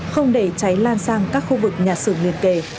không để cháy lan sang các khu vực nhà sưởng liên kề